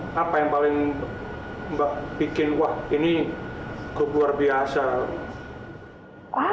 apa yang paling mbak bikin wah ini kok luar biasa